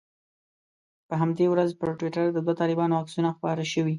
په همدې ورځ پر ټویټر د دوو طالبانو عکسونه خپاره شوي.